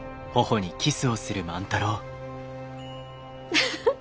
フフフ。